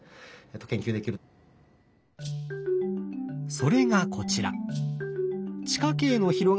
それがこちら。